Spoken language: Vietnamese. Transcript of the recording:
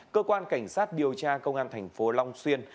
cơ quan cảnh sát điều tra công an thành phố long xuyên